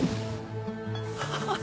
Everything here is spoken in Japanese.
ハハハ！